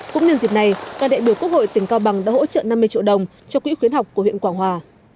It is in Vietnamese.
cũng nhân dịp này đoàn đại biểu quốc hội tỉnh cao bằng đã hỗ trợ năm mươi triệu đồng cho quỹ khuyến học của huyện quảng hòa